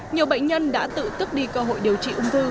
nhiều bệnh nhân đã tự tức đi cơ hội điều trị ung thư